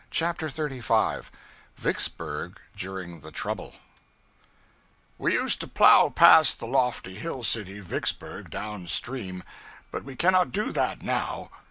CHAPTER 35 Vicksburg During the Trouble WE used to plow past the lofty hill city, Vicksburg, down stream; but we cannot do that now.